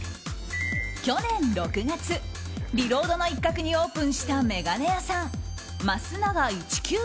去年６月リロードの一角にオープンした眼鏡屋さん